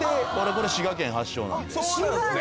これ滋賀県発祥なんで滋賀なんですね